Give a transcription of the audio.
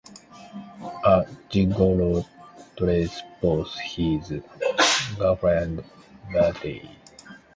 A gigolo treats both his girlfriends badly.